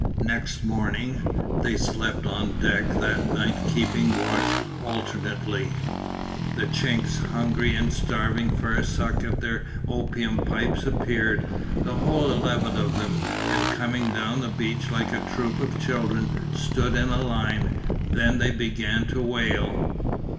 Next morning they slept on deck that night keeping watch alternately the "Chinks," hungry and starving for a suck at their opium pipes appeared, the whole eleven of them, and coming down the beach like a troop of children stood in a line; then they began to wail.